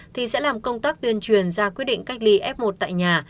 thì sẽ làm công tác tuyên truyền ra quyết định cách ly f một tại nhà